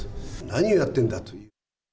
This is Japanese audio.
何をやってんだと。